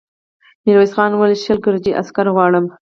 ميرويس خان وويل: شل ګرجي عسکر غواړم.